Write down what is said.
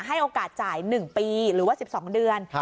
ให้โอกาสจ่าย๑ปีหรือว่า๑๒เดือน